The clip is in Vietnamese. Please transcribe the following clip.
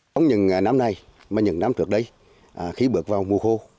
không những năm nay mà những năm trước đây khi bước vào mùa khô